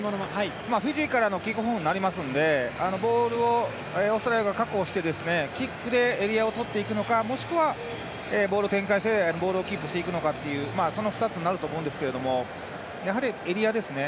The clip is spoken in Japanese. フィジーからのキックオフになりますのでボールをオーストラリア確保してキックでエリアをとっていくのかもしくはボールを展開してボールをキープしていくのかっていうその２つになると思うんですがやはりエリアですね。